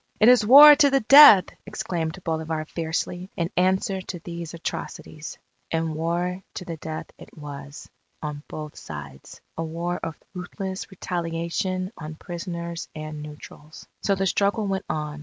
"It is war to the death!" exclaimed Bolivar fiercely, in answer to these atrocities. And war to the death it was, on both sides a war of ruthless retaliation on prisoners and neutrals. So the struggle went on.